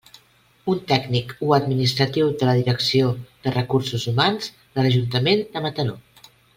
Un tècnic o administratiu de la Direcció de Recursos Humans de l'Ajuntament de Mataró.